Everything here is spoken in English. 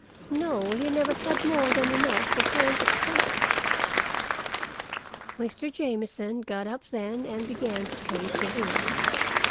No, he never had more than enough for current expenses." Mr. Jamieson got up then and began to pace the room.